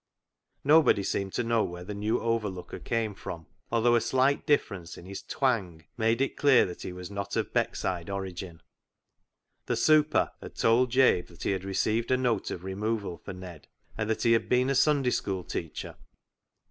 Nobody seemed to know where the new overlooker came from, although a slight difference in his " twang " made it clear that he was not of Beckside origin. The " super " had told Jabe that he had received a note of removal for Ned, and that he had been a Sunday School teacher.